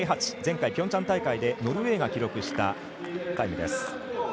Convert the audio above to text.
前回ピョンチャン大会でノルウェーが記録したタイムです。